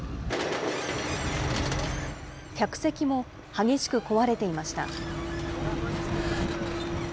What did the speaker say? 客席も激しく壊れていました。